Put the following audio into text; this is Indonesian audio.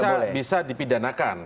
yang bisa dipidanakan